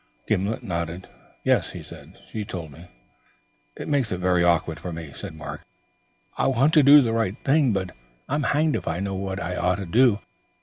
Gimblet nodded. "Yes," he said, "she told me." "It makes it very awkward for me," said Mark. "I want to do the right thing, but I'm hanged if I know what I ought to do.